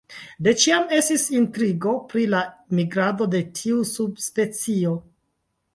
De ĉiam estis intrigo pri la migrado de tiu subspecio.